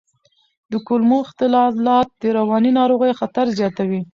د کولمو اختلالات د رواني ناروغیو خطر زیاتوي.